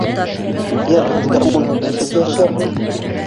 Йырһыҙ, гармунһыҙ нисек йәшәрбеҙ?